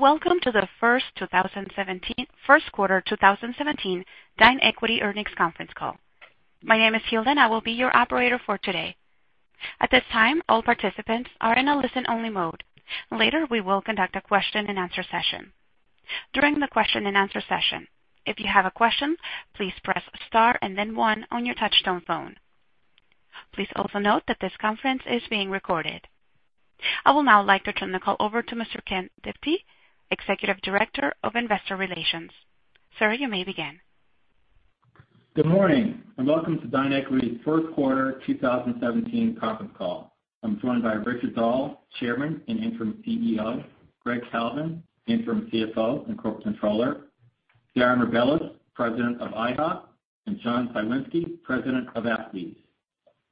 Welcome to the first quarter 2017 DineEquity, Inc. Earnings Conference Call. My name is Hilda and I will be your operator for today. At this time, all participants are in a listen-only mode. Later, we will conduct a question and answer session. During the question and answer session, if you have a question, please press star and then one on your touch-tone phone. Please also note that this conference is being recorded. I would now like to turn the call over to Mr. Ken Diptee, Executive Director of Investor Relations. Sir, you may begin. Good morning, and welcome to DineEquity's first quarter 2017 conference call. I'm joined by Richard Dahl, Chairman and Interim CEO, Gregg Kalvin, Interim CFO and Corp Controller, Darren Rebelez, President of IHOP, and John Cywinski, President of Applebee's.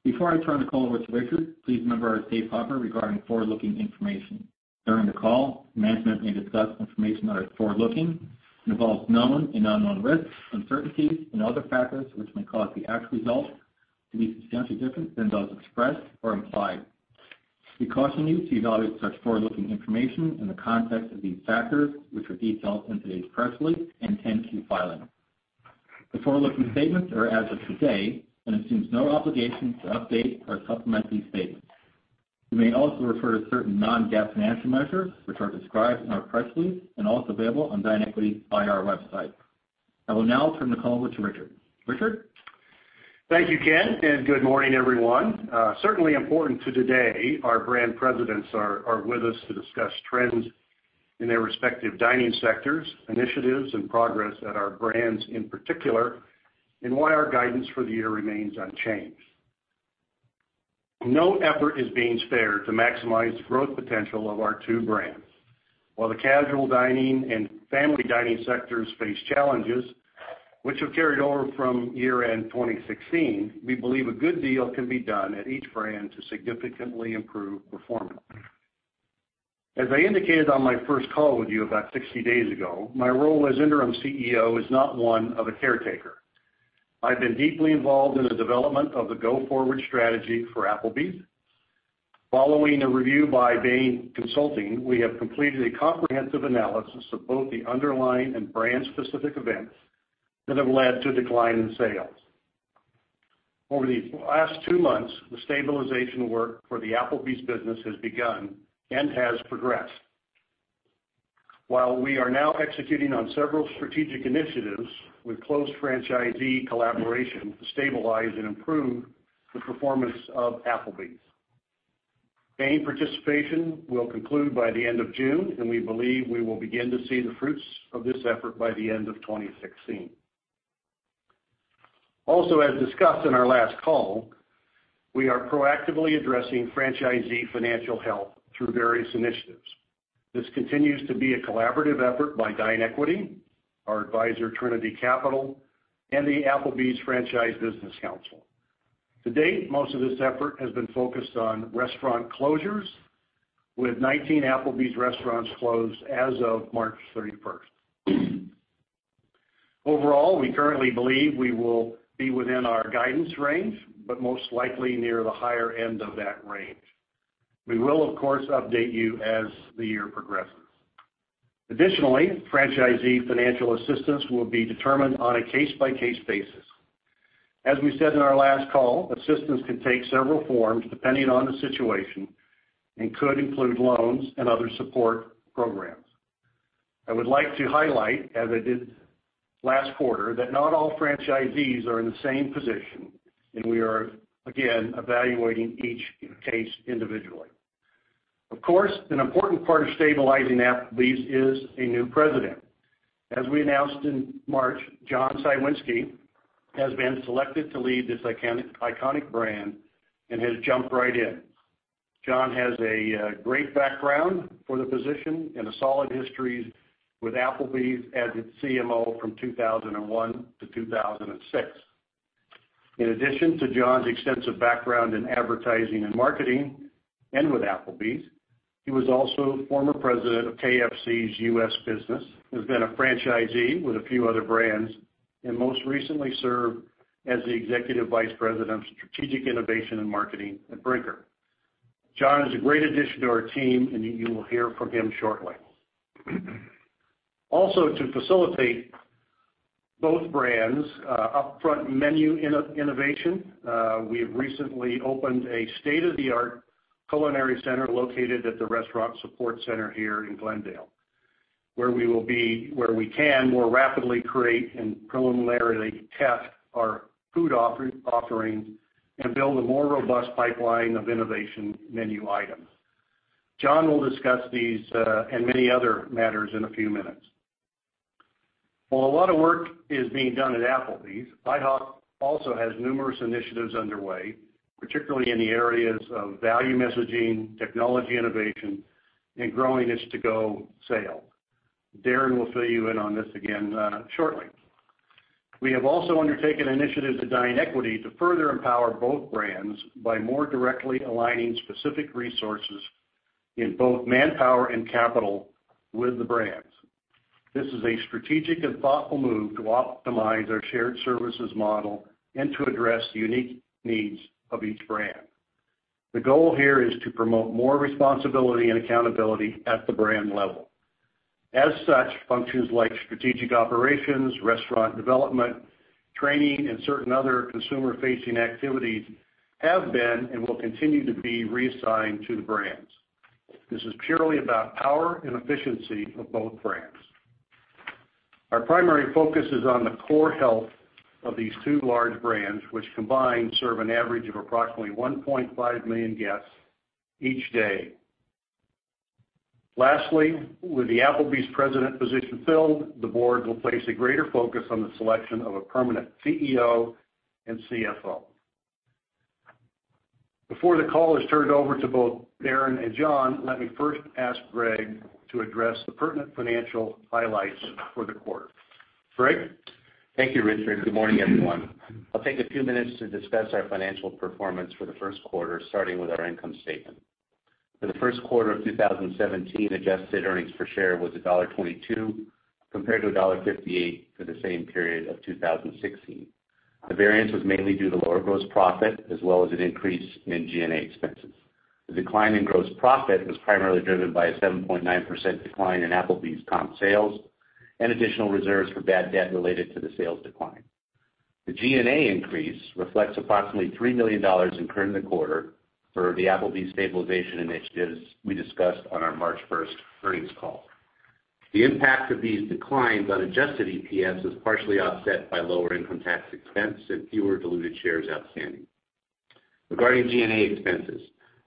Before I turn the call over to Richard, please remember our safe harbor regarding forward-looking information. During the call, management may discuss information that is forward-looking and involves known and unknown risks, uncertainties and other factors which may cause the actual results to be substantially different than those expressed or implied. We caution you to evaluate such forward-looking information in the context of these factors, which are detailed in today's press release and 10-Q filing. The forward-looking statements are as of today and assume no obligation to update or supplement these statements. We may also refer to certain non-GAAP financial measures, which are described in our press release and also available on DineEquity IR website. I will now turn the call over to Richard. Richard? Thank you, Ken, and good morning, everyone. Certainly important to today, our brand presidents are with us to discuss trends in their respective dining sectors, initiatives and progress at our brands in particular, and why our guidance for the year remains unchanged. No effort is being spared to maximize the growth potential of our two brands. While the casual dining and family dining sectors face challenges, which have carried over from year-end 2016, we believe a good deal can be done at each brand to significantly improve performance. As I indicated on my first call with you about 60 days ago, my role as interim CEO is not one of a caretaker. I've been deeply involved in the development of the go-forward strategy for Applebee's. Following a review by Bain Consulting, we have completed a comprehensive analysis of both the underlying and brand specific events that have led to a decline in sales. Over these last two months, the stabilization work for the Applebee's business has begun and has progressed. While we are now executing on several strategic initiatives with close franchisee collaboration to stabilize and improve the performance of Applebee's. Bain participation will conclude by the end of June, and we believe we will begin to see the fruits of this effort by the end of 2016. As discussed in our last call, we are proactively addressing franchisee financial health through various initiatives. This continues to be a collaborative effort by DineEquity, our advisor, Trinity Capital, and the Applebee's Franchise Business Council. To date, most of this effort has been focused on restaurant closures, with 19 Applebee's restaurants closed as of March 31st. Overall, we currently believe we will be within our guidance range, but most likely near the higher end of that range. We will, of course, update you as the year progresses. Additionally, franchisee financial assistance will be determined on a case-by-case basis. As we said in our last call, assistance can take several forms depending on the situation and could include loans and other support programs. I would like to highlight, as I did last quarter, that not all franchisees are in the same position, and we are again evaluating each case individually. Of course, an important part of stabilizing Applebee's is a new president. As we announced in March, John Cywinski has been selected to lead this iconic brand and has jumped right in. John has a great background for the position and a solid history with Applebee's as its CMO from 2001 to 2006. In addition to John's extensive background in advertising and marketing, and with Applebee's, he was also former president of KFC's U.S. business, has been a franchisee with a few other brands, and most recently served as the Executive Vice President of Strategic Innovation and Marketing at Brinker. John is a great addition to our team, and you will hear from him shortly. To facilitate both brands' upfront menu innovation, we have recently opened a state-of-the-art culinary center located at the restaurant support center here in Glendale, where we can more rapidly create and preliminarily test our food offerings and build a more robust pipeline of innovation menu items. John will discuss these, and many other matters in a few minutes. While a lot of work is being done at Applebee's, IHOP also has numerous initiatives underway, particularly in the areas of value messaging, technology innovation, and growing its to-go sale. Darren will fill you in on this again shortly. We have also undertaken initiatives at DineEquity to further empower both brands by more directly aligning specific resources in both manpower and capital with the brands. This is a strategic and thoughtful move to optimize our shared services model and to address the unique needs of each brand. The goal here is to promote more responsibility and accountability at the brand level. As such, functions like strategic operations, restaurant development, training, and certain other consumer-facing activities have been and will continue to be reassigned to the brands. This is purely about power and efficiency of both brands. Our primary focus is on the core health of these two large brands, which combined serve an average of approximately 1.5 million guests each day. Lastly, with the Applebee's president position filled, the board will place a greater focus on the selection of a permanent CEO and CFO. Before the call is turned over to both Darren and John, let me first ask Gregg to address the pertinent financial highlights for the quarter. Gregg? Thank you, Richard. Good morning, everyone. I'll take a few minutes to discuss our financial performance for the first quarter, starting with our income statement. For the first quarter of 2017, adjusted earnings per share was $1.22, compared to $1.58 for the same period of 2016. The variance was mainly due to lower gross profit, as well as an increase in G&A expenses. The decline in gross profit was primarily driven by a 7.9% decline in Applebee's comp sales and additional reserves for bad debt related to the sales decline. The G&A increase reflects approximately $3 million incurred in the quarter for the Applebee's stabilization initiatives we discussed on our March 1st earnings call. The impact of these declines on adjusted EPS was partially offset by lower income tax expense and fewer diluted shares outstanding. Regarding G&A expenses,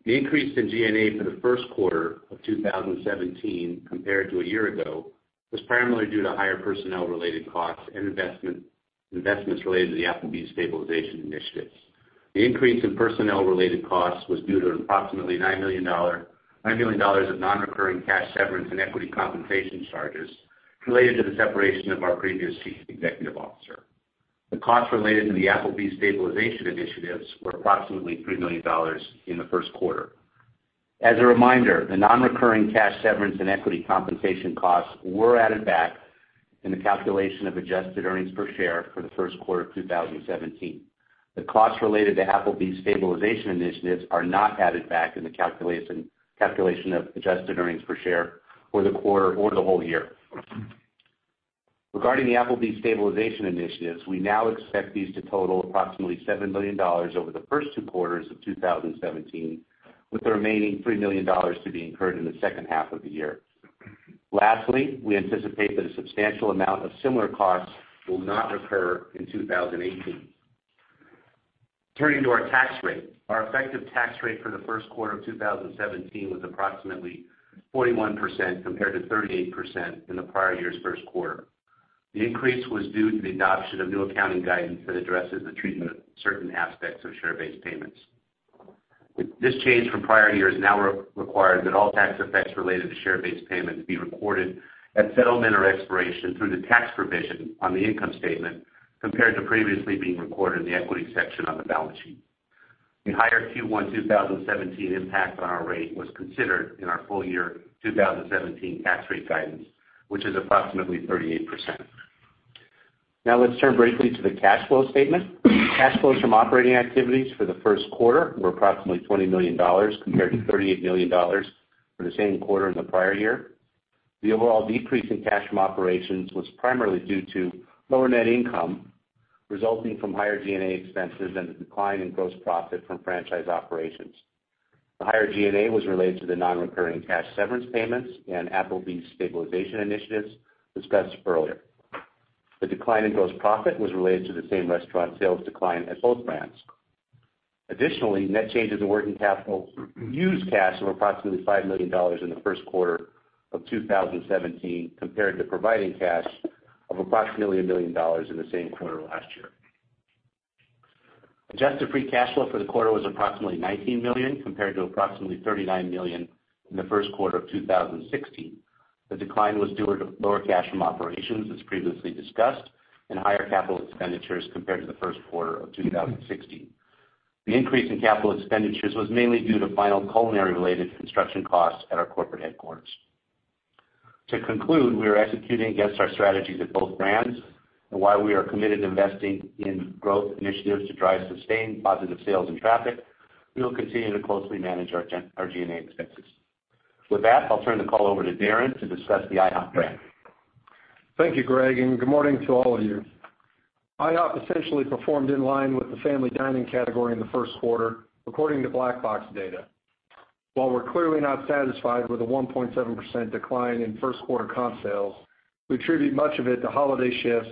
the increase in G&A for the first quarter of 2017 compared to a year ago, was primarily due to higher personnel-related costs and investments related to the Applebee's stabilization initiatives. The increase in personnel-related costs was due to approximately $9 million of non-recurring cash severance and equity compensation charges related to the separation of our previous chief executive officer. The costs related to the Applebee's stabilization initiatives were approximately $3 million in the first quarter. As a reminder, the non-recurring cash severance and equity compensation costs were added back in the calculation of adjusted earnings per share for the first quarter of 2017. The costs related to Applebee's stabilization initiatives are not added back in the calculation of adjusted earnings per share for the quarter or the whole year. Regarding the Applebee's stabilization initiatives, we now expect these to total approximately $7 million over the first two quarters of 2017, with the remaining $3 million to be incurred in the second half of the year. Lastly, we anticipate that a substantial amount of similar costs will not recur in 2018. Turning to our tax rate. Our effective tax rate for the first quarter of 2017 was approximately 41%, compared to 38% in the prior year's first quarter. The increase was due to the adoption of new accounting guidance that addresses the treatment of certain aspects of share-based payments. This change from prior years now require that all tax effects related to share-based payments be recorded at settlement or expiration through the tax provision on the income statement, compared to previously being recorded in the equity section on the balance sheet. The higher Q1 2017 impact on our rate was considered in our full year 2017 tax rate guidance, which is approximately 38%. Now let's turn briefly to the cash flow statement. Cash flows from operating activities for the first quarter were approximately $20 million, compared to $38 million for the same quarter in the prior year. The overall decrease in cash from operations was primarily due to lower net income resulting from higher G&A expenses and the decline in gross profit from franchise operations. The higher G&A was related to the non-recurring cash severance payments and Applebee's stabilization initiatives discussed earlier. The decline in gross profit was related to the same-restaurant sales decline at both brands. Additionally, net changes in working capital used cash of approximately $5 million in the first quarter of 2017 compared to providing cash of approximately $1 million in the same quarter last year. Adjusted free cash flow for the quarter was approximately $19 million compared to approximately $39 million in the first quarter of 2016. The decline was due to lower cash from operations, as previously discussed, and higher capital expenditures compared to the first quarter of 2016. The increase in capital expenditures was mainly due to final culinary-related construction costs at our corporate headquarters. To conclude, we are executing against our strategies at both brands, and while we are committed to investing in growth initiatives to drive sustained positive sales and traffic, we will continue to closely manage our G&A expenses. With that, I'll turn the call over to Darren to discuss the IHOP brand. Thank you, Gregg, and good morning to all of you. IHOP essentially performed in line with the family dining category in the first quarter, according to Black Box data. While we're clearly not satisfied with the 1.7% decline in first quarter comp sales, we attribute much of it to holiday shifts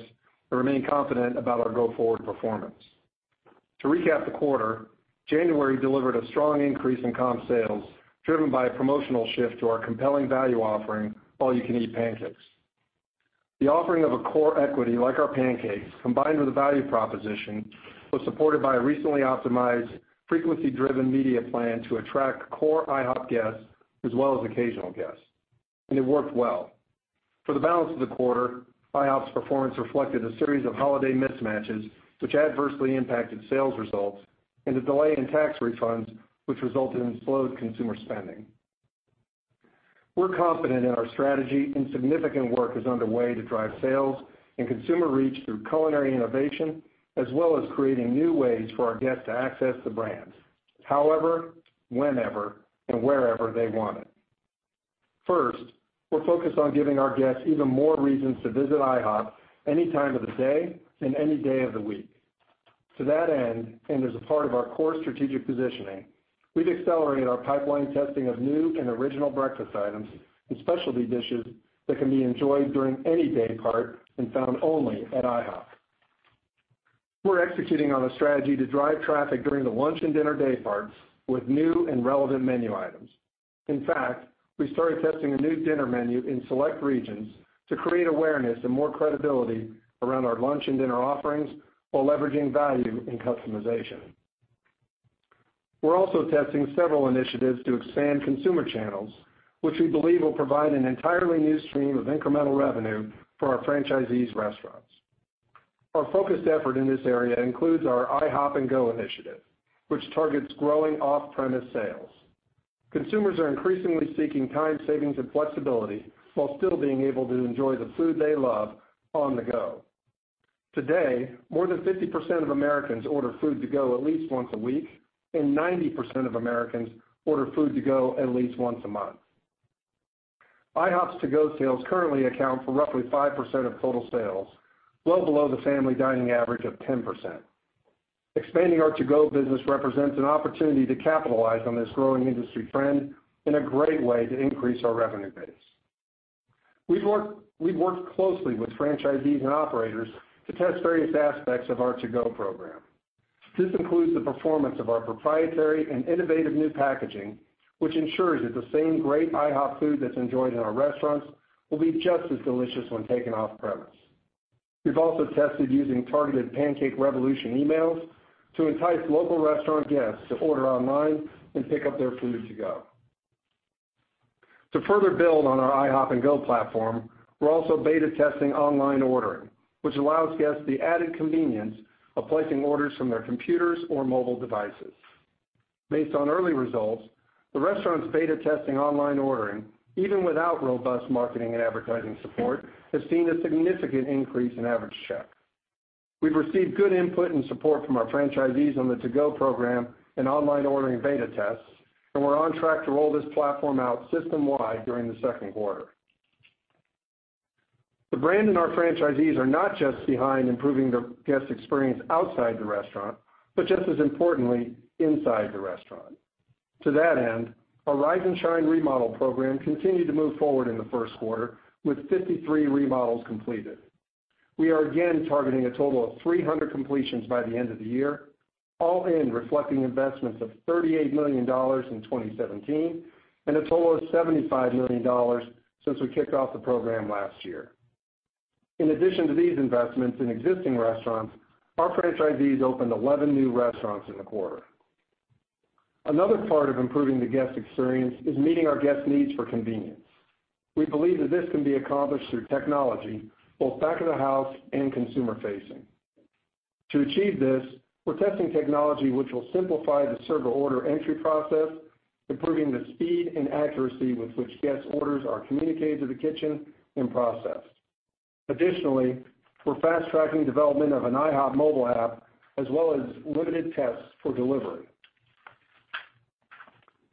and remain confident about our go-forward performance. To recap the quarter, January delivered a strong increase in comp sales, driven by a promotional shift to our compelling value offering, All You Can Eat Pancakes. The offering of a core equity like our pancakes, combined with a value proposition, was supported by a recently optimized frequency-driven media plan to attract core IHOP guests as well as occasional guests. And it worked well. For the balance of the quarter, IHOP's performance reflected a series of holiday mismatches, which adversely impacted sales results The delay in tax refunds, which resulted in slowed consumer spending. We're confident in our strategy, and significant work is underway to drive sales and consumer reach through culinary innovation, as well as creating new ways for our guests to access the brands, however, whenever, and wherever they want it. First, we're focused on giving our guests even more reasons to visit IHOP any time of the day and any day of the week. To that end, and as a part of our core strategic positioning, we've accelerated our pipeline testing of new and original breakfast items and specialty dishes that can be enjoyed during any day part and found only at IHOP. We're executing on a strategy to drive traffic during the lunch and dinner day parts with new and relevant menu items. In fact, we started testing a new dinner menu in select regions to create awareness and more credibility around our lunch and dinner offerings, while leveraging value and customization. We're also testing several initiatives to expand consumer channels, which we believe will provide an entirely new stream of incremental revenue for our franchisees' restaurants. Our focused effort in this area includes our IHOP 'N GO initiative, which targets growing off-premise sales. Consumers are increasingly seeking time savings and flexibility while still being able to enjoy the food they love on the go. Today, more than 50% of Americans order food to go at least once a week, and 90% of Americans order food to go at least once a month. IHOP's To Go sales currently account for roughly 5% of total sales, well below the family dining average of 10%. Expanding our To Go business represents an opportunity to capitalize on this growing industry trend and a great way to increase our revenue base. We've worked closely with franchisees and operators to test various aspects of our To Go program. This includes the performance of our proprietary and innovative new packaging, which ensures that the same great IHOP food that's enjoyed in our restaurants will be just as delicious when taken off-premise. We've also tested using targeted Pancake Revolution emails to entice local restaurant guests to order online and pick up their food to go. To further build on our IHOP 'N GO platform, we're also beta testing online ordering, which allows guests the added convenience of placing orders from their computers or mobile devices. Based on early results, the restaurant's beta testing online ordering, even without robust marketing and advertising support, has seen a significant increase in average check. We've received good input and support from our franchisees on the To Go program and online ordering beta tests, and we're on track to roll this platform out system-wide during the second quarter. The brand and our franchisees are not just behind improving the guest experience outside the restaurant, but just as importantly, inside the restaurant. To that end, our Rise 'N Shine remodel program continued to move forward in the first quarter with 53 remodels completed. We are again targeting a total of 300 completions by the end of the year, all in reflecting investments of $38 million in 2017 and a total of $75 million since we kicked off the program last year. In addition to these investments in existing restaurants, our franchisees opened 11 new restaurants in the quarter. Another part of improving the guest experience is meeting our guests' needs for convenience. We believe that this can be accomplished through technology, both back of the house and consumer facing. To achieve this, we're testing technology which will simplify the server order entry process, improving the speed and accuracy with which guests' orders are communicated to the kitchen and processed. Additionally, we're fast-tracking development of an IHOP mobile app, as well as limited tests for delivery.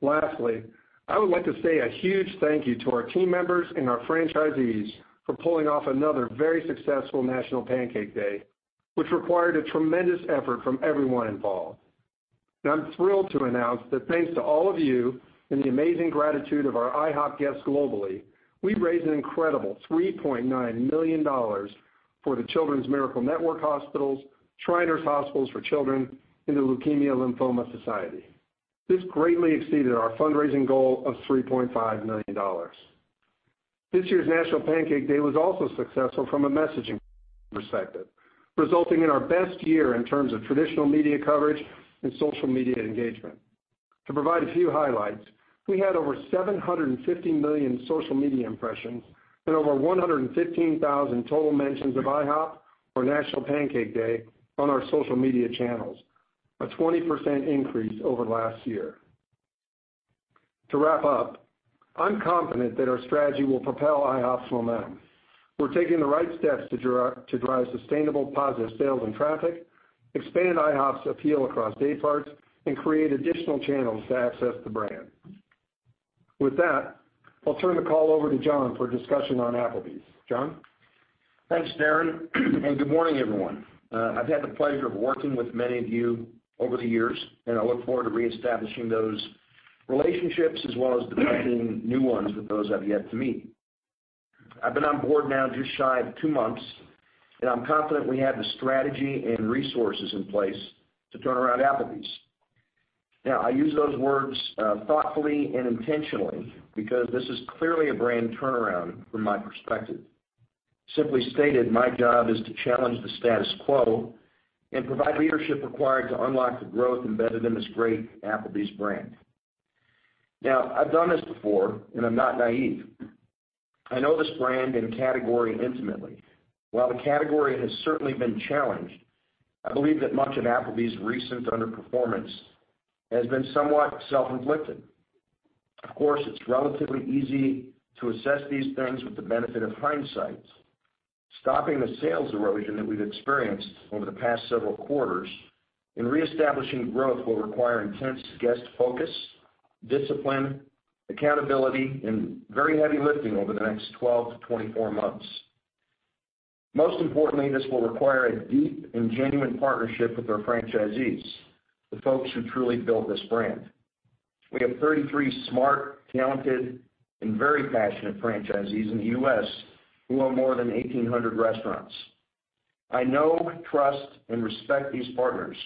Lastly, I would like to say a huge thank you to our team members and our franchisees for pulling off another very successful National Pancake Day, which required a tremendous effort from everyone involved. I'm thrilled to announce that thanks to all of you and the amazing gratitude of our IHOP guests globally, we raised an incredible $3.9 million for the Children's Miracle Network Hospitals, Shriners Hospitals for Children, and The Leukemia & Lymphoma Society. This greatly exceeded our fundraising goal of $3.5 million. This year's National Pancake Day was also successful from a messaging perspective, resulting in our best year in terms of traditional media coverage and social media engagement. To provide a few highlights, we had over 750 million social media impressions and over 115,000 total mentions of IHOP or National Pancake Day on our social media channels, a 20% increase over last year. To wrap up, I'm confident that our strategy will propel IHOP's momentum. We're taking the right steps to drive sustainable positive sales and traffic, expand IHOP's appeal across day parts, and create additional channels to access the brand. With that, I'll turn the call over to John for a discussion on Applebee's. John? Thanks, Darren. Good morning, everyone. I've had the pleasure of working with many of you over the years, and I look forward to reestablishing those relationships, as well as developing new ones with those I've yet to meet. I've been on board now just shy of two months, and I'm confident we have the strategy and resources in place to turn around Applebee's. I use those words thoughtfully and intentionally because this is clearly a brand turnaround from my perspective. Simply stated, my job is to challenge the status quo and provide leadership required to unlock the growth embedded in this great Applebee's brand. I've done this before, and I'm not naive. I know this brand and category intimately. While the category has certainly been challenged, I believe that much of Applebee's recent underperformance has been somewhat self-inflicted. Of course, it's relatively easy to assess these things with the benefit of hindsight. Stopping the sales erosion that we've experienced over the past several quarters and reestablishing growth will require intense guest focus, discipline, accountability, and very heavy lifting over the next 12-24 months. Most importantly, this will require a deep and genuine partnership with our franchisees, the folks who truly built this brand. We have 33 smart, talented, and very passionate franchisees in the U.S. who own more than 1,800 restaurants. I know, trust, and respect these partners,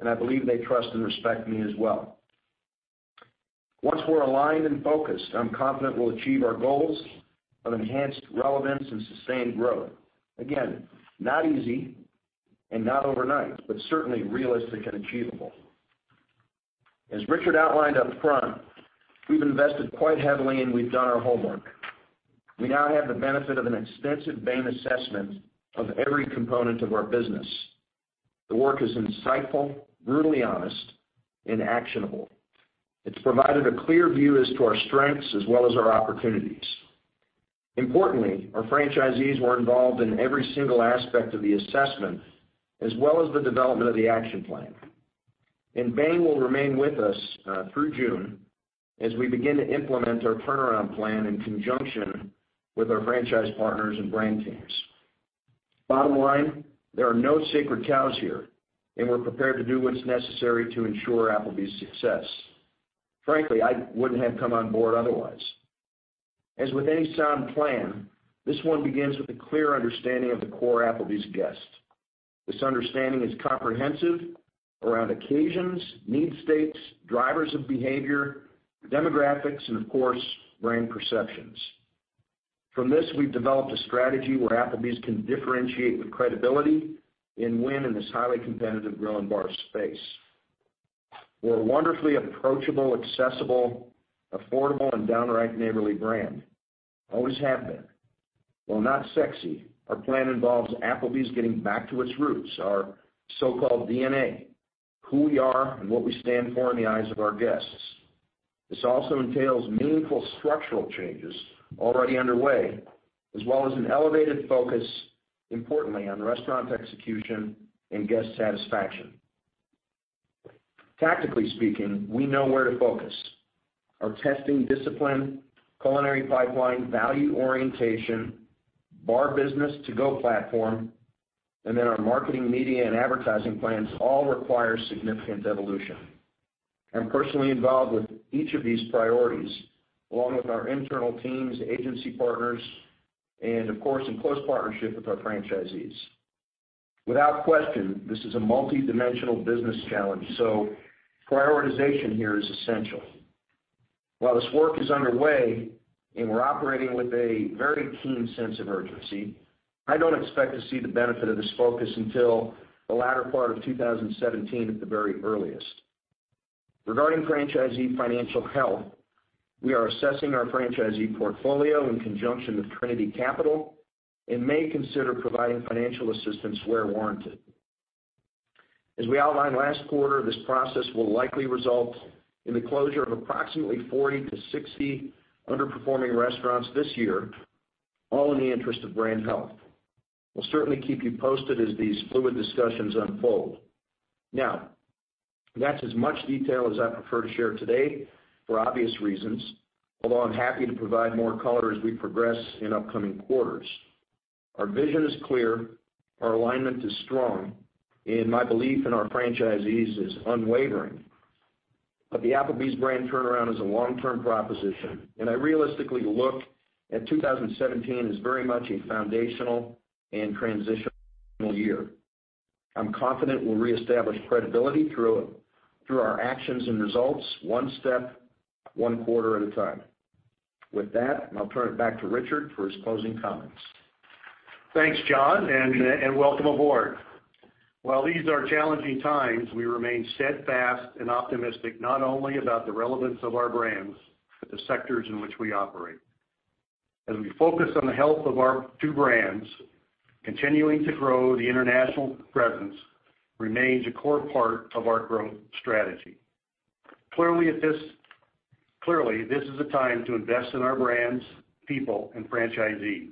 and I believe they trust and respect me as well. Once we're aligned and focused, I'm confident we'll achieve our goals of enhanced relevance and sustained growth. Again, not easy and not overnight, but certainly realistic and achievable. As Richard outlined up front, we've invested quite heavily, and we've done our homework. We now have the benefit of an extensive Bain assessment of every component of our business. The work is insightful, brutally honest, and actionable. It's provided a clear view as to our strengths as well as our opportunities. Importantly, our franchisees were involved in every single aspect of the assessment, as well as the development of the action plan. Bain will remain with us through June as we begin to implement our turnaround plan in conjunction with our franchise partners and brand teams. Bottom line, there are no sacred cows here, and we're prepared to do what's necessary to ensure Applebee's success. Frankly, I wouldn't have come on board otherwise. As with any sound plan, this one begins with a clear understanding of the core Applebee's guest. This understanding is comprehensive around occasions, need states, drivers of behavior, demographics, and of course, brand perceptions. From this, we've developed a strategy where Applebee's can differentiate with credibility and win in this highly competitive grill and bar space. We're a wonderfully approachable, accessible, affordable, and downright neighborly brand. Always have been. While not sexy, our plan involves Applebee's getting back to its roots, our so-called DNA, who we are and what we stand for in the eyes of our guests. This also entails meaningful structural changes already underway, as well as an elevated focus, importantly, on restaurant execution and guest satisfaction. Tactically speaking, we know where to focus. Our testing discipline, culinary pipeline, value orientation, bar business to-go platform, our marketing, media, and advertising plans all require significant evolution. I'm personally involved with each of these priorities, along with our internal teams, agency partners, and of course, in close partnership with our franchisees. Without question, this is a multidimensional business challenge, so prioritization here is essential. While this work is underway, and we're operating with a very keen sense of urgency, I don't expect to see the benefit of this focus until the latter part of 2017 at the very earliest. Regarding franchisee financial health, we are assessing our franchisee portfolio in conjunction with Trinity Capital and may consider providing financial assistance where warranted. As we outlined last quarter, this process will likely result in the closure of approximately 40-60 underperforming restaurants this year, all in the interest of brand health. We'll certainly keep you posted as these fluid discussions unfold. That's as much detail as I prefer to share today, for obvious reasons, although I'm happy to provide more color as we progress in upcoming quarters. Our vision is clear, our alignment is strong, and my belief in our franchisees is unwavering. The Applebee's brand turnaround is a long-term proposition, and I realistically look at 2017 as very much a foundational and transitional year. I'm confident we'll reestablish credibility through our actions and results one step, one quarter at a time. With that, I'll turn it back to Richard for his closing comments. Thanks, John, and welcome aboard. While these are challenging times, we remain steadfast and optimistic, not only about the relevance of our brands, but the sectors in which we operate. As we focus on the health of our two brands, continuing to grow the international presence remains a core part of our growth strategy. Clearly, this is a time to invest in our brands, people, and franchisees.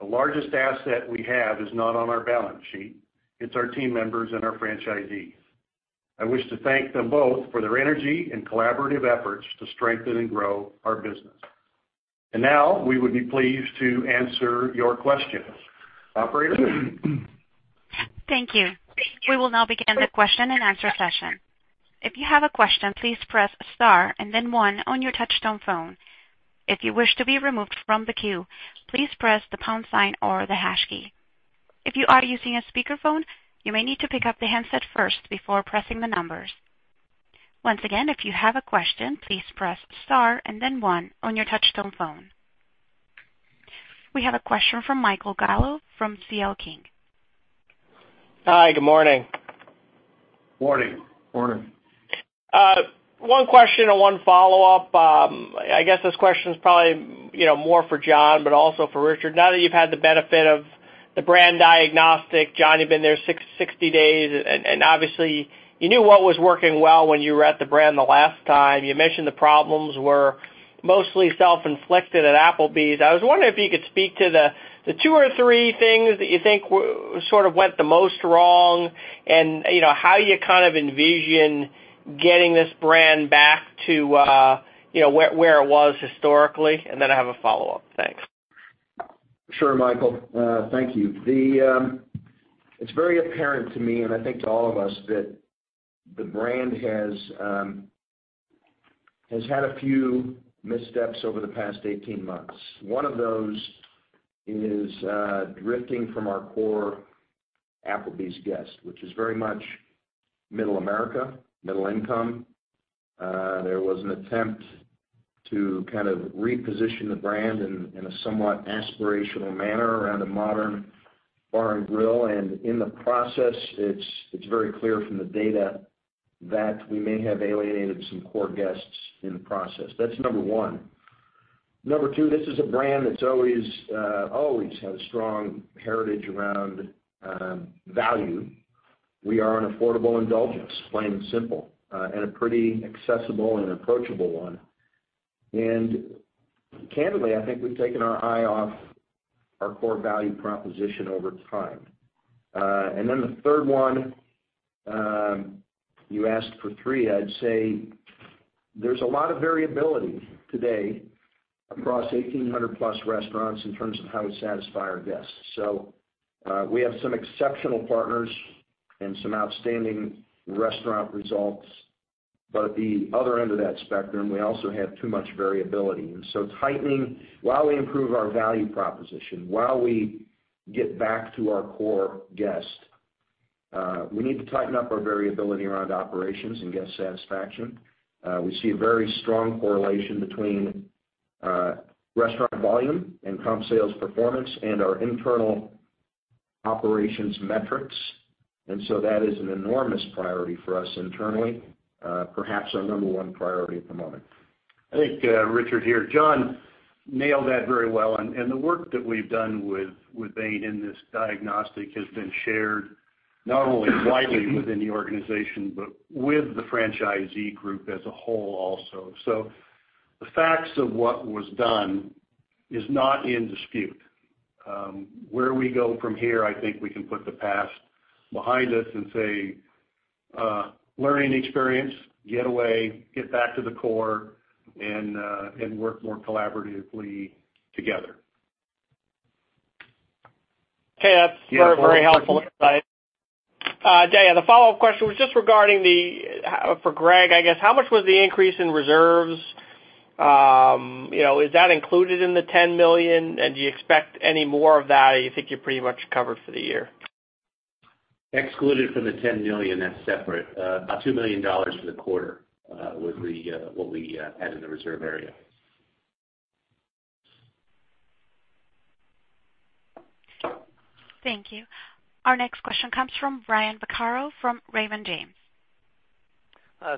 The largest asset we have is not on our balance sheet. It's our team members and our franchisees. I wish to thank them both for their energy and collaborative efforts to strengthen and grow our business. Now, we would be pleased to answer your questions. Operator? Thank you. We will now begin the question and answer session. If you have a question, please press star and then one on your touchtone phone. If you wish to be removed from the queue, please press the pound sign or the hash key. If you are using a speakerphone, you may need to pick up the handset first before pressing the numbers. Once again, if you have a question, please press star and then one on your touchtone phone. We have a question from Michael Gallo from C.L. King. Hi, good morning. Morning. Morning. One question and one follow-up. I guess this question is probably more for John, but also for Richard. Now that you've had the benefit of the brand diagnostic, John, you've been there 60 days, and obviously you knew what was working well when you were at the brand the last time. You mentioned the problems were mostly self-inflicted at Applebee's. I was wondering if you could speak to the two or three things that you think went the most wrong, and how you envision getting this brand back to where it was historically. I have a follow-up. Thanks. Sure, Michael. Thank you. It's very apparent to me, and I think to all of us, that the brand has had a few missteps over the past 18 months. One of those is drifting from our core Applebee's guest, which is very much middle America, middle income. There was an attempt to kind of reposition the brand in a somewhat aspirational manner around a modern bar and grill. In the process, it's very clear from the data that we may have alienated some core guests in the process. That's number one. Number two, this is a brand that's always had a strong heritage around value. We are an affordable indulgence, plain and simple, and a pretty accessible and approachable one. Candidly, I think we've taken our eye off our core value proposition over time. The third one, you asked for three, I'd say there's a lot of variability today across 1,800-plus restaurants in terms of how we satisfy our guests. We have some exceptional partners and some outstanding restaurant results. At the other end of that spectrum, we also have too much variability. While we improve our value proposition, while we get back to our core guest, we need to tighten up our variability around operations and guest satisfaction. We see a very strong correlation between restaurant volume and comp sales performance and our internal operations metrics. That is an enormous priority for us internally, perhaps our number one priority at the moment. I think, Richard here, John nailed that very well. The work that we've done with Bain in this diagnostic has been shared not only widely within the organization, but with the franchisee group as a whole also. The facts of what was done is not in dispute. Where we go from here, I think we can put the past behind us and say, learning experience, get away, get back to the core and work more collaboratively together. Okay. That's very helpful insight. The follow-up question was just regarding for Greg, I guess. How much was the increase in reserves? Is that included in the $10 million? Do you expect any more of that, or you think you're pretty much covered for the year? Excluded from the $10 million, that's separate. About $2 million for the quarter, was what we had in the reserve area. Thank you. Our next question comes from Brian Vaccaro from Raymond James.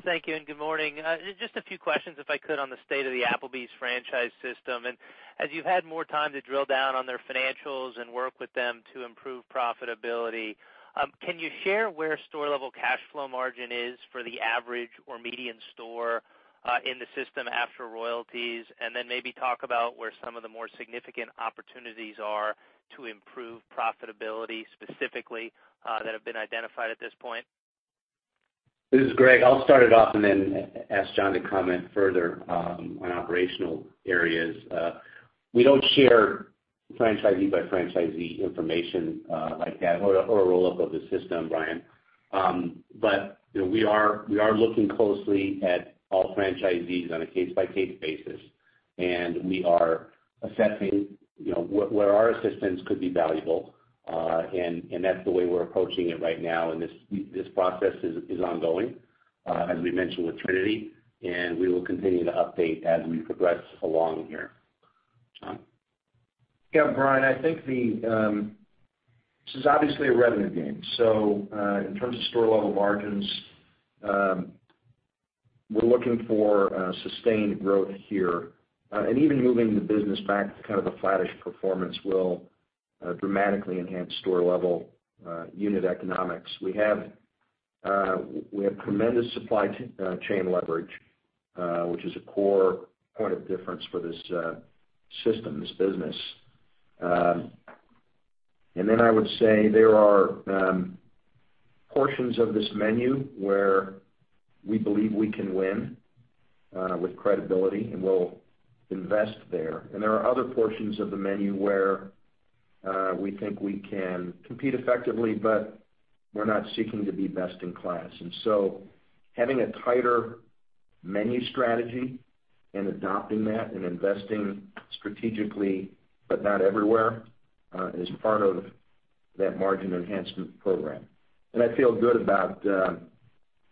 Thank you and good morning. Just a few questions, if I could, on the state of the Applebee's franchise system. As you've had more time to drill down on their financials and work with them to improve profitability, can you share where store-level cash flow margin is for the average or median store in the system after royalties, and then maybe talk about where some of the more significant opportunities are to improve profitability specifically, that have been identified at this point? This is Gregg. I'll start it off and then ask John to comment further on operational areas. We don't share franchisee-by-franchisee information like that or a roll-up of the system, Brian. We are looking closely at all franchisees on a case-by-case basis, and we are assessing where our assistance could be valuable, and that's the way we're approaching it right now. This process is ongoing, as we mentioned with Trinity Capital, and we will continue to update as we progress along here. John? Yeah, Brian, I think this is obviously a revenue game. In terms of store-level margins, we're looking for sustained growth here. Even moving the business back to kind of a flattish performance will dramatically enhance store-level unit economics. We have tremendous supply chain leverage, which is a core point of difference for this system, this business. I would say there are portions of this menu where we believe we can win with credibility, and we'll invest there. There are other portions of the menu where we think we can compete effectively, but we're not seeking to be best in class. Having a tighter menu strategy and adopting that and investing strategically, but not everywhere, is part of that margin enhancement program. I feel good about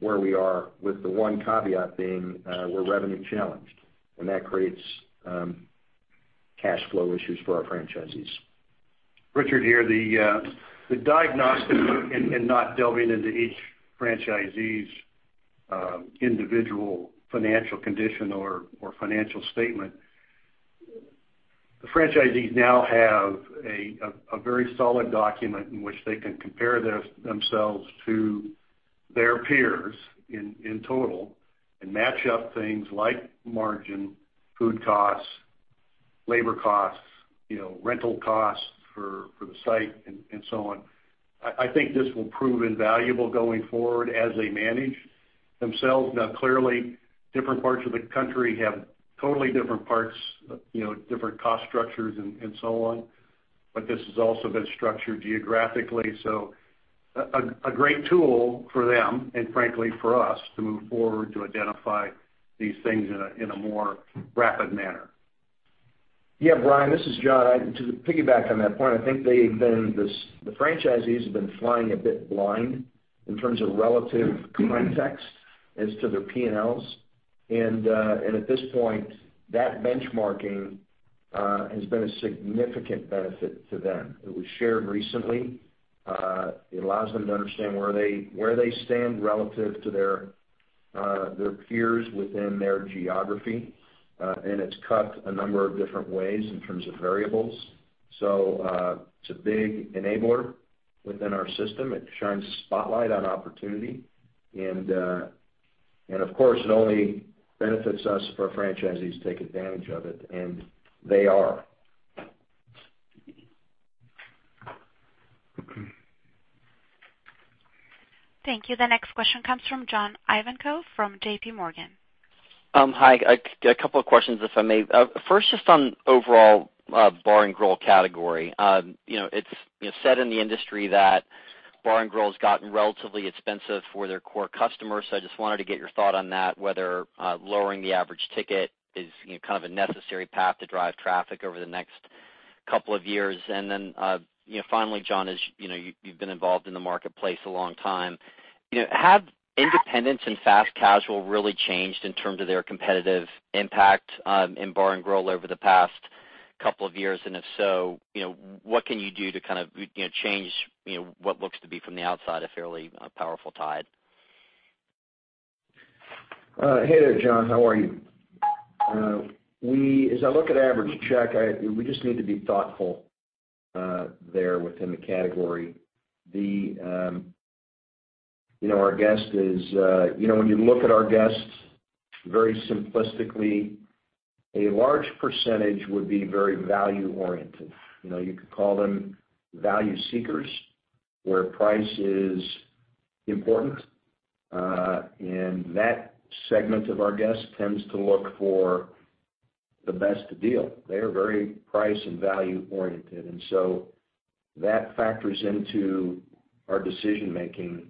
where we are with the one caveat being, we're revenue-challenged, and that creates cash flow issues for our franchisees. Richard here. The diagnostic, not delving into each franchisee's individual financial condition or financial statement. The franchisees now have a very solid document in which they can compare themselves to their peers in total and match up things like margin, food costs, labor costs, rental costs for the site, and so on. I think this will prove invaluable going forward as they manage themselves. Clearly, different parts of the country have totally different cost structures and so on, but this has also been structured geographically. A great tool for them and frankly for us to move forward to identify these things in a more rapid manner. Yeah, Brian, this is John. To piggyback on that point, I think the franchisees have been flying a bit blind in terms of relative context as to their P&Ls. At this point, that benchmarking has been a significant benefit to them. It was shared recently. It allows them to understand where they stand relative to their peers within their geography, and it's cut a number of different ways in terms of variables. It's a big enabler within our system. It shines a spotlight on opportunity. Of course, it only benefits us for our franchisees to take advantage of it, and they are. Thank you. The next question comes from John Ivankoe from JPMorgan. Hi. A couple of questions, if I may. First, just on overall bar and grill category. It's said in the industry that bar and grill's gotten relatively expensive for their core customers. I just wanted to get your thought on that, whether lowering the average ticket is kind of a necessary path to drive traffic over the next couple of years. Finally, John, as you've been involved in the marketplace a long time, have independents and fast casual really changed in terms of their competitive impact in bar and grill over the past couple of years? If so, what can you do to kind of change what looks to be, from the outside, a fairly powerful tide? Hey there, John. How are you? As I look at average check, we just need to be thoughtful there within the category. When you look at our guests very simplistically, a large percentage would be very value oriented. You could call them value seekers, where price is important. That segment of our guests tends to look for the best deal. They are very price and value oriented. That factors into our decision making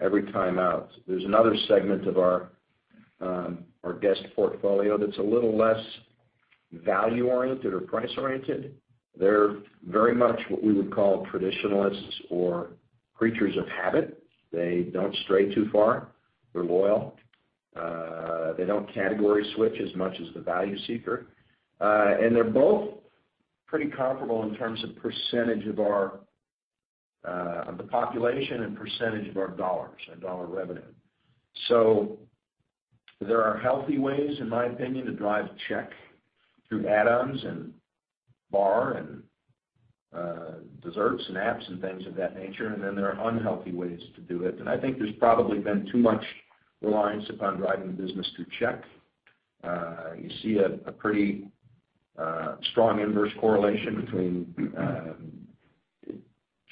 every time out. There's another segment of our guest portfolio that's a little less value oriented or price oriented. They're very much what we would call traditionalists or creatures of habit. They don't stray too far. They're loyal. They don't category switch as much as the value seeker. They're both pretty comparable in terms of percentage of the population and percentage of our $ and $ revenue. There are healthy ways, in my opinion, to drive check through add-ons and bar and desserts and apps and things of that nature. There are unhealthy ways to do it. I think there's probably been too much reliance upon driving the business through check. You see a pretty strong inverse correlation between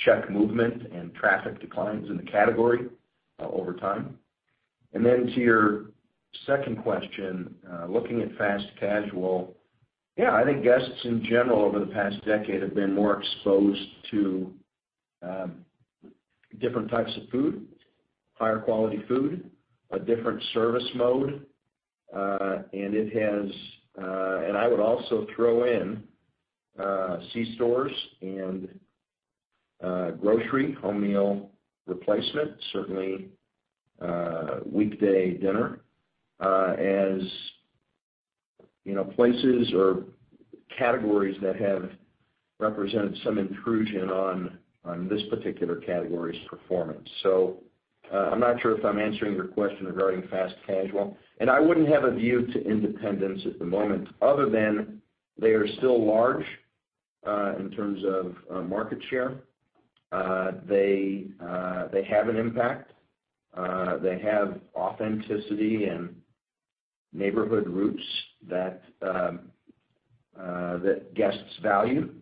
check movement and traffic declines in the category over time. To your second question, looking at fast casual. Yeah, I think guests in general over the past decade have been more exposed to different types of food, higher quality food, a different service mode. I would also throw in C-stores and grocery home meal replacement, certainly weekday dinner, as places or categories that have represented some intrusion on this particular category's performance. I'm not sure if I'm answering your question regarding fast casual. I wouldn't have a view to independence at the moment, other than they are still large in terms of market share. They have an impact. They have authenticity and neighborhood roots that guests value.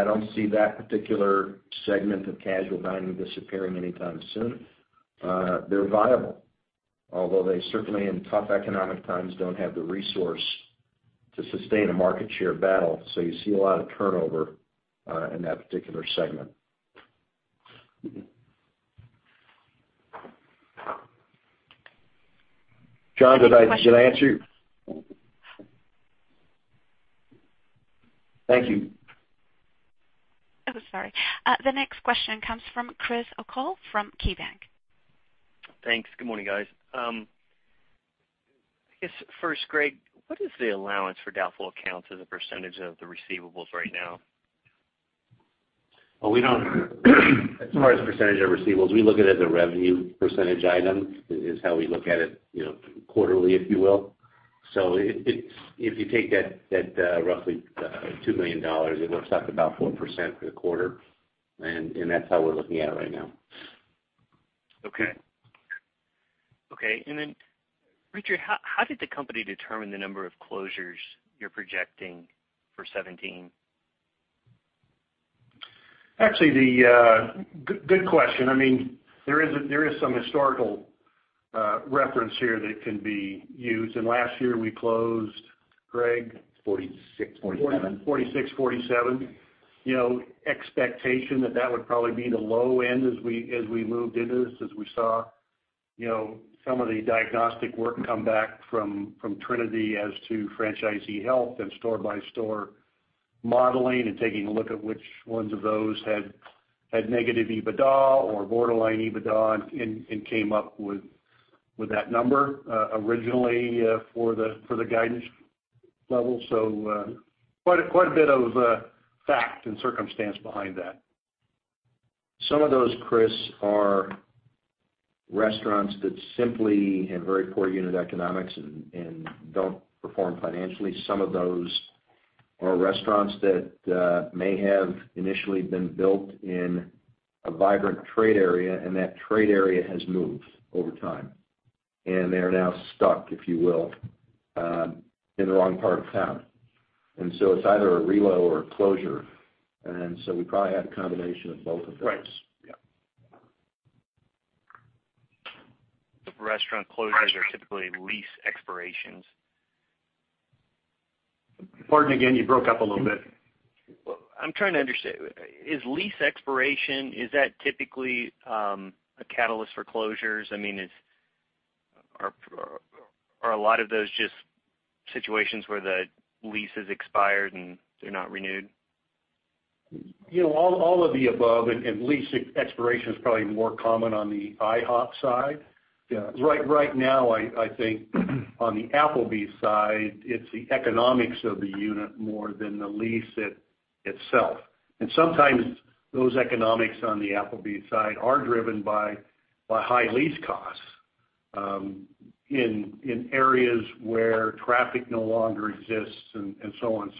I don't see that particular segment of casual dining disappearing anytime soon. They're viable, although they certainly in tough economic times, don't have the resource to sustain a market share battle, so you see a lot of turnover in that particular segment. John, did I answer you? Thank you. Oh, sorry. The next question comes from Chris O'Cull from KeyBanc. Thanks. Good morning, guys. I guess first, Greg, what is the allowance for doubtful accounts as a percentage of the receivables right now? Well, we don't as far as percentage of receivables, we look at it as a revenue percentage item, is how we look at it quarterly, if you will. If you take that roughly $2 million, it works out to about 4% for the quarter, and that's how we're looking at it right now. Okay. Then Richard, how did the company determine the number of closures you're projecting for 2017? Actually, good question. There is some historical reference here that can be used, and last year we closed, Greg? 46, 47. 46, 47. Expectation that that would probably be the low end as we moved into this, as we saw some of the diagnostic work come back from Trinity as to franchisee health and store-by-store modeling and taking a look at which ones of those had negative EBITDA or borderline EBITDA and came up with that number originally for the guidance level. Quite a bit of fact and circumstance behind that. Some of those, Chris, are restaurants that simply have very poor unit economics and don't perform financially. Some of those are restaurants that may have initially been built in a vibrant trade area, and that trade area has moved over time, and they are now stuck, if you will, in the wrong part of town. It's either a reload or a closure. We probably have a combination of both of those. Right. Yeah. The restaurant closures are typically lease expirations. Pardon again, you broke up a little bit. I'm trying to understand. Is lease expiration, is that typically a catalyst for closures? Are a lot of those just situations where the lease has expired, and they're not renewed? All of the above. Lease expiration is probably more common on the IHOP side. Yeah. Right now, I think on the Applebee's side, it's the economics of the unit more than the lease itself. Sometimes those economics on the Applebee's side are driven by high lease costs in areas where traffic no longer exists and so on.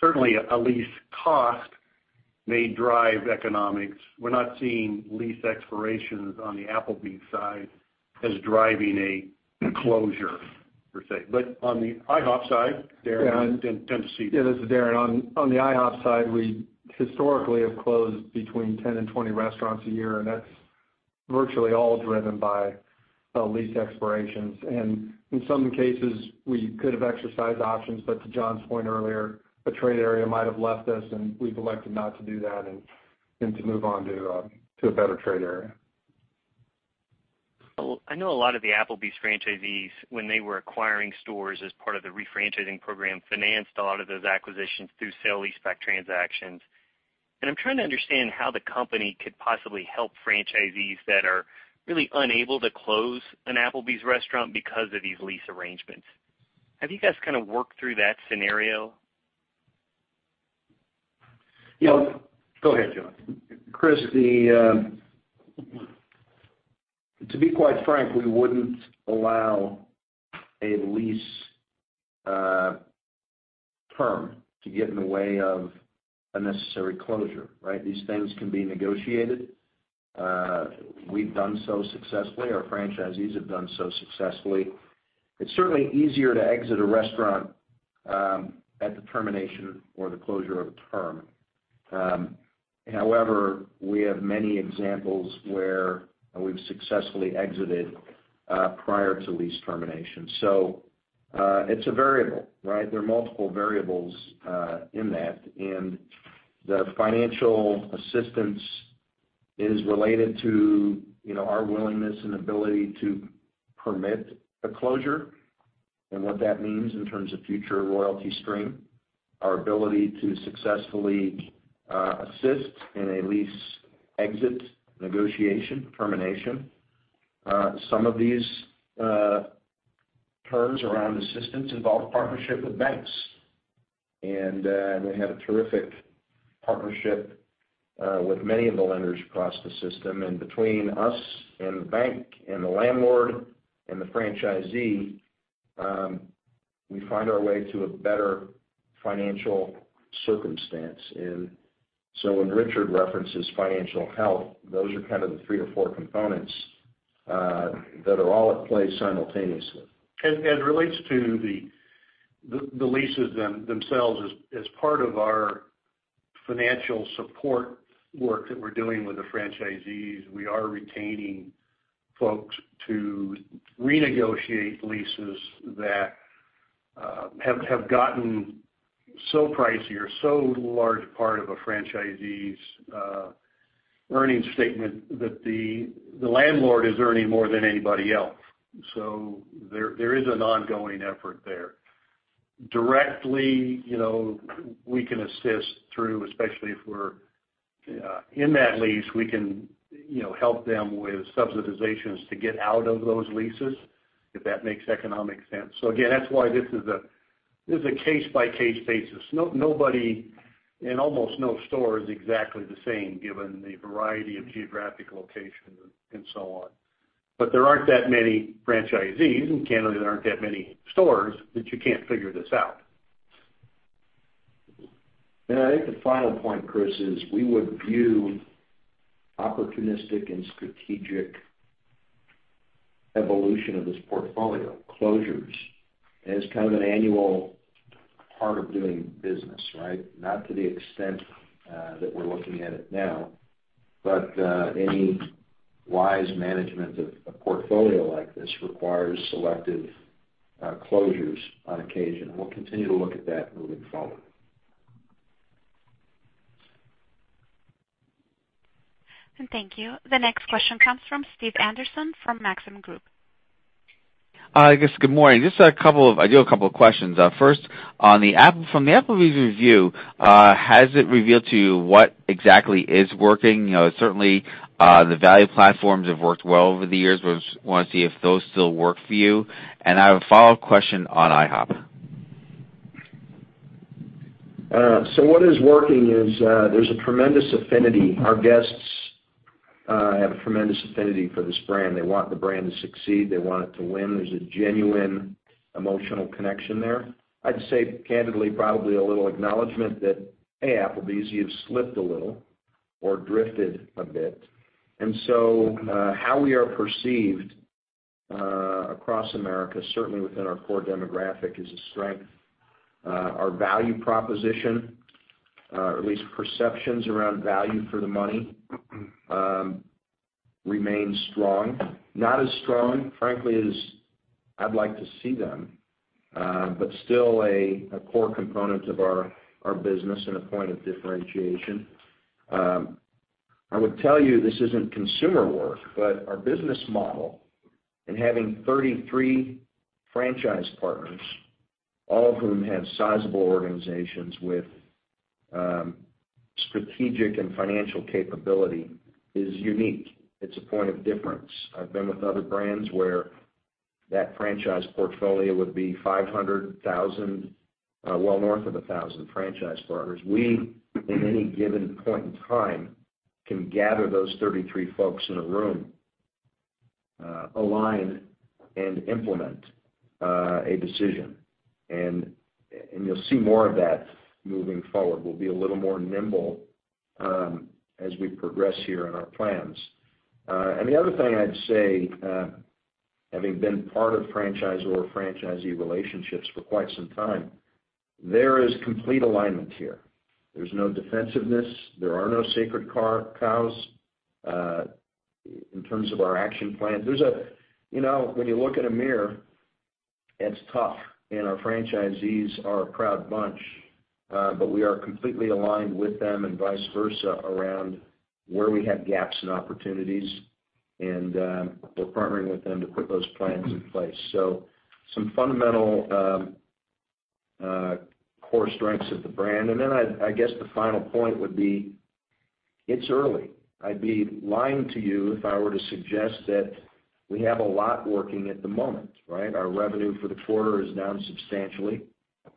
Certainly, a lease cost may drive economics. We're not seeing lease expirations on the Applebee's side as driving a closure, per se. On the IHOP side, Darren, tend to see- Yeah, this is Darren. On the IHOP side, we historically have closed between 10 and 20 restaurants a year, that's virtually all driven by lease expirations. In some cases, we could have exercised options, but to John's point earlier, a trade area might have left us, and we've elected not to do that and to move on to a better trade area. I know a lot of the Applebee's franchisees, when they were acquiring stores as part of the re-franchising program, financed a lot of those acquisitions through sale-leaseback transactions. I'm trying to understand how the company could possibly help franchisees that are really unable to close an Applebee's restaurant because of these lease arrangements. Have you guys kind of worked through that scenario? Yeah. Go ahead, John. Chris, to be quite frank, we wouldn't allow a lease term to get in the way of a necessary closure, right? These things can be negotiated. We've done so successfully. Our franchisees have done so successfully. It's certainly easier to exit a restaurant at the termination or the closure of a term. However, we have many examples where we've successfully exited prior to lease termination. It's a variable, right? There are multiple variables in that, and the financial assistance is related to our willingness and ability to permit a closure and what that means in terms of future royalty stream, our ability to successfully assist in a lease exit negotiation termination. Some of these terms around assistance involve partnership with banks, and we have a terrific partnership with many of the lenders across the system. Between us and the bank and the landlord and the franchisee, we find our way to a better financial circumstance. When Richard references financial health, those are kind of the three or four components that are all at play simultaneously. As it relates to the leases themselves, as part of our financial support work that we're doing with the franchisees, we are retaining folks to renegotiate leases that have gotten so pricey or so large a part of a franchisee's Earnings statement that the landlord is earning more than anybody else. There is an ongoing effort there. Directly, we can assist through, especially if we're in that lease, we can help them with subsidizations to get out of those leases, if that makes economic sense. Again, that's why this is a case-by-case basis. Nobody and almost no store is exactly the same given the variety of geographic locations and so on. There aren't that many franchisees, and candidly, there aren't that many stores that you can't figure this out. I think the final point, Chris, is we would view opportunistic and strategic evolution of this portfolio, closures, as kind of an annual part of doing business, right? Not to the extent that we're looking at it now, any wise management of a portfolio like this requires selective closures on occasion. We'll continue to look at that moving forward. Thank you. The next question comes from Stephen Anderson from Maxim Group. Hi, guys. Good morning. I do have a couple of questions. First, from the Applebee's review, has it revealed to you what exactly is working? Certainly, the value platforms have worked well over the years. We just want to see if those still work for you. I have a follow-up question on IHOP. What is working is there's a tremendous affinity. Our guests have a tremendous affinity for this brand. They want the brand to succeed. They want it to win. There's a genuine emotional connection there. I'd say candidly, probably a little acknowledgment that, "Hey, Applebee's, you've slipped a little or drifted a bit." How we are perceived across America, certainly within our core demographic, is a strength. Our value proposition, or at least perceptions around value for the money, remains strong. Not as strong, frankly, as I'd like to see them, but still a core component of our business and a point of differentiation. I would tell you this isn't consumer work, but our business model in having 33 franchise partners, all of whom have sizable organizations with strategic and financial capability, is unique. It's a point of difference. I've been with other brands where that franchise portfolio would be 500,000, well north of 1,000 franchise partners. We, in any given point in time, can gather those 33 folks in a room, align, and implement a decision. You'll see more of that moving forward. We'll be a little more nimble as we progress here in our plans. The other thing I'd say, having been part of franchisor-franchisee relationships for quite some time, there is complete alignment here. There's no defensiveness. There are no sacred cows in terms of our action plan. When you look in a mirror, it's tough, and our franchisees are a proud bunch. We are completely aligned with them and vice versa around where we have gaps and opportunities. We're partnering with them to put those plans in place. Some fundamental core strengths of the brand. I guess the final point would be it's early. I'd be lying to you if I were to suggest that we have a lot working at the moment, right? Our revenue for the quarter is down substantially.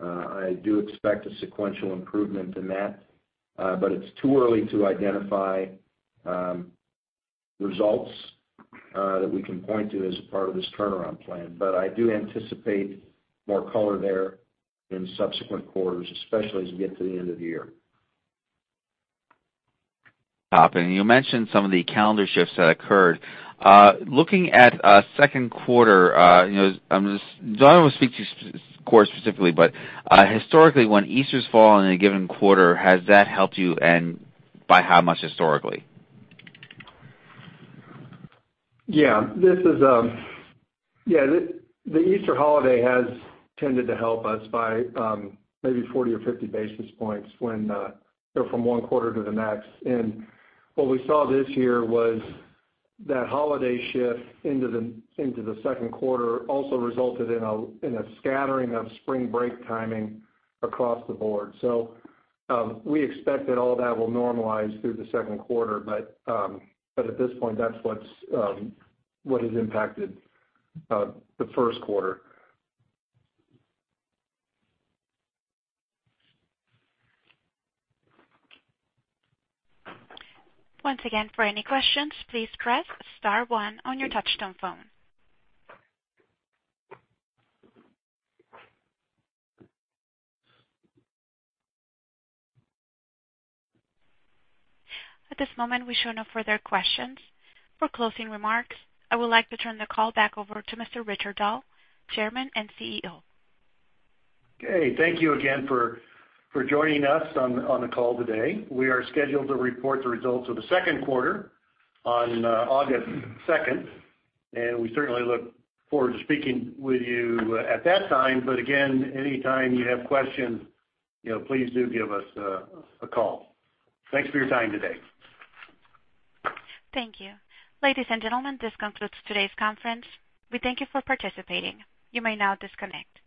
I do expect a sequential improvement in that, but it's too early to identify results that we can point to as a part of this turnaround plan. I do anticipate more color there in subsequent quarters, especially as we get to the end of the year. You mentioned some of the calendar shifts that occurred. Looking at second quarter, I don't want to speak to this quarter specifically, but historically, when Easter fall in a given quarter, has that helped you and by how much historically? The Easter holiday has tended to help us by maybe 40 or 50 basis points from one quarter to the next. What we saw this year was that holiday shift into the second quarter also resulted in a scattering of spring break timing across the board. We expect that all that will normalize through the second quarter, but at this point, that's what has impacted the first quarter. Once again, for any questions, please press star 1 on your touchtone phone. At this moment, we show no further questions. For closing remarks, I would like to turn the call back over to Mr. Richard Dahl, Chairman and CEO. Okay, thank you again for joining us on the call today. We are scheduled to report the results of the 2nd quarter on August 2nd. We certainly look forward to speaking with you at that time. Again, anytime you have questions, please do give us a call. Thanks for your time today. Thank you. Ladies and gentlemen, this concludes today's conference. We thank you for participating. You may now disconnect.